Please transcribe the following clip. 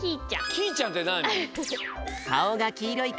きーちゃんってなに？